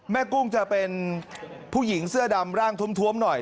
กุ้งจะเป็นผู้หญิงเสื้อดำร่างท้วมหน่อย